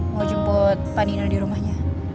mau jemput panino di rumahnya